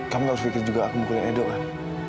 kamu gak berpikir juga aku mukulin edo kan